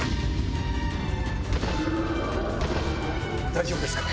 大丈夫ですか？